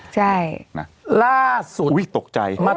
ใช่โอ๊ยตกใจนะล่าสุด